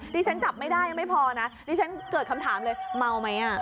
ที่ฉันจับไม่ได้ยังไม่พอนะดิฉันเกิดคำถามเลยเมาไหม